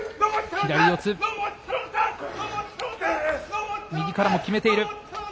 左四つ、右からも決めている。